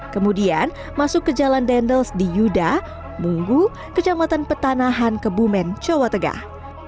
kemudian masuk ke jalan dendels di yuda munggu kecamatan petanahan kebumen jawa tengah